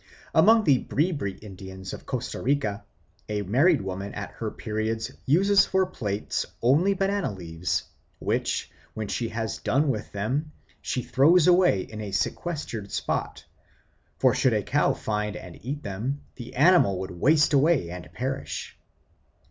Among the Bri bri Indians of Costa Rica a married woman at her periods uses for plates only banana leaves, which, when she has done with them, she throws away in a sequestered spot; for should a cow find and eat them, the animal would waste away and perish.